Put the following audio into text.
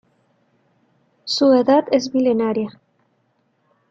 Su edad es milenaria.